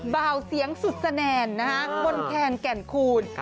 เบาเสียงสุดแสดงนะฮะมนแคลแก่นคูล